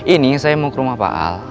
ini saya mau ke rumah pak al